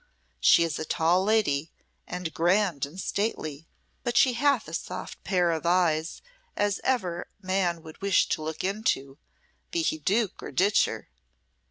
She is a tall lady, and grand and stately, but she hath a soft pair of eyes as ever man would wish to look into, be he duke or ditcher."